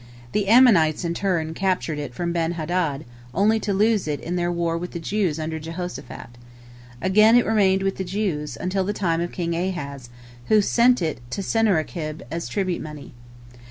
The Ammonites, in turn, captured it from Ben hadad, only to lose it in their war with the Jews under Jehoshaphat. Again it remained with the Jews, until the time of King Ahaz, who sent it to Sennacherib as tribute money.